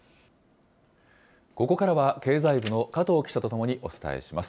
ここからは経済部の加藤記者と共にお伝えします。